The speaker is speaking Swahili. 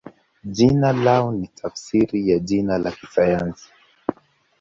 Jina lao ni tafsiri ya jina la kisayansi.